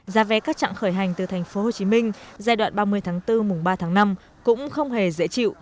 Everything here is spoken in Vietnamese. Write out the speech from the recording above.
giá vé các trạng khởi hành từ thành phố hồ chí minh giai đoạn ba mươi tháng bốn mùng ba tháng năm cũng không hề dễ chịu